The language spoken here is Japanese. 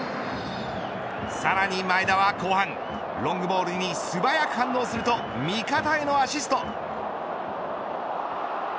さらに前田は後半ロングボールに素早く反応すると味方へのアシスト。